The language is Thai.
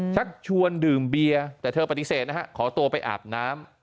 ชักชวนดื่มเบียร์แต่เธอปฏิเสธนะฮะขอตัวไปอาบน้ำ